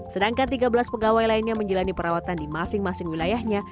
sedangkan tiga belas pegawai lainnya menjalani perawatan di masing masing wilayahnya